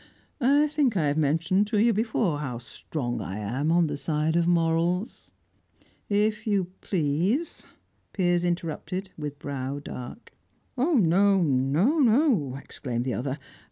I think I have mentioned to you before how strong I am on the side of morals." "If you please," Piers interrupted, with brow dark. "No, no, no!" exclaimed the other.